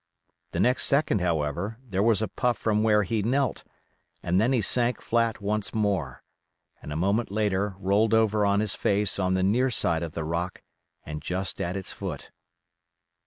The next second, however, there was a puff from where he knelt, and then he sank flat once more, and a moment later rolled over on his face on the near side of the rock and just at its foot.